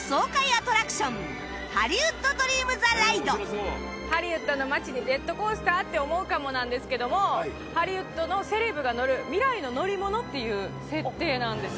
アトラクションハリウッドの街でジェットコースター？って思うかもなんですけどもハリウッドのセレブが乗る未来の乗り物っていう設定なんです。